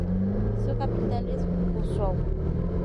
Su capital es Fuzhou.